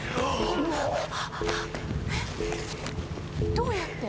どうやって？